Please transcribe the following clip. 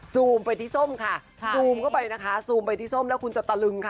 ซูมไปที่ส้มค่ะซูมเข้าไปนะคะซูมไปที่ส้มแล้วคุณจะตะลึงค่ะ